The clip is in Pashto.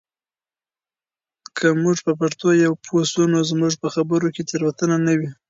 که موږ په پښتو پوه سو نو زموږ په خبرو کې تېروتنه نه وي.